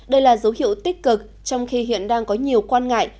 đây là dấu hiệu tích cực trong khi hiện đang có nhiều quan ngại